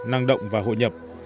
năng động và hội nhập